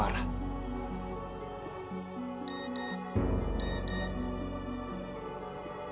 aku berusaha untuk bisa mengingatkan kamu